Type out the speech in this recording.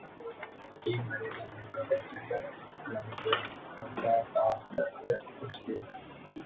Team management did not extend Langway's contract after the first season.